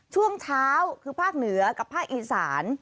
ช่วงเช้าคือภาคเหนือกับภาคอีสาน